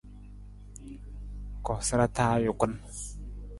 Koosara taa ajukun.